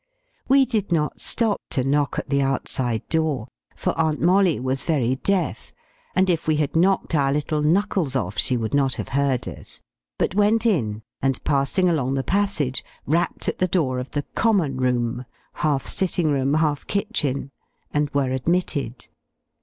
We did not stop to knock at the outside door, for Aunt Molly was very deaf, and if we had knocked our little knuckles off she would not have heard us, but went in, and, passing along the passage, rapped at the door of the "common room," half sitting room, half kitchen, and were admitted.